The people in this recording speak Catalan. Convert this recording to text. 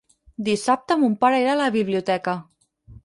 Dissabte mon pare irà a la biblioteca.